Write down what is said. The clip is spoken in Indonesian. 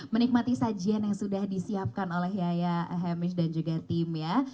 menikmati sajian yang sudah disiapkan oleh yaya hemis dan juga tim ya